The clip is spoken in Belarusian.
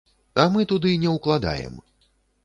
А мы туды не ўкладаем.